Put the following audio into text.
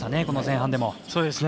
この前半でも。